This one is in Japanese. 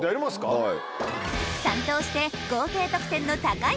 はい。